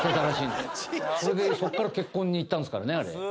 それでそこから結婚にいったんですからねあれ。